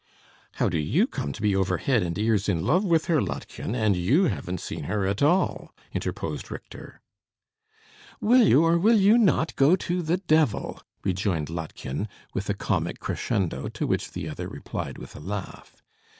"How do you come to be over head and ears in love with her, Lottchen, and you haven't seen her at all?" interposed Richter. "Will you or will you not go to the devil?" rejoined Lottchen, with a comic crescendo; to which the other replied with a laugh.